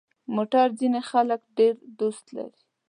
موټر ځینې خلک ډېر دوست لري.